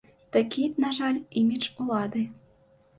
Такі, на жаль, імідж улады.